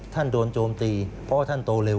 โดนโจมตีเพราะท่านโตเร็ว